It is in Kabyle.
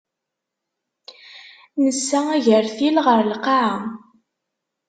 Nessa agertil ɣer lqaɛa.